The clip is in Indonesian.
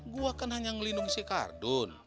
gua kan hanya ngelindungin si kardun